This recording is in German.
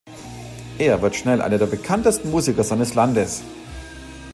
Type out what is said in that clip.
Er wird schnell einer der bekanntesten Musiker seines Landes.